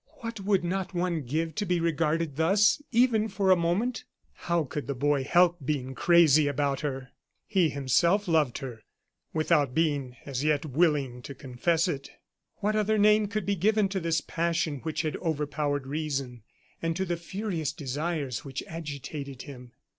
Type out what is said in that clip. What would not one give to be regarded thus, even for a moment? How could the boy help being crazy about her? He himself loved her, without being, as yet, willing, to confess it. What other name could be given to this passion which had overpowered reason, and to the furious desires which agitated him?